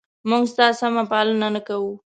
موږ ستا سمه پالنه نه کوو؟